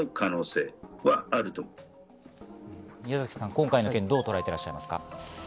今回の件、どう捉えていらっしゃいますか？